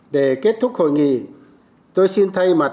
để kết thúc hội nghị tôi xin thay mặt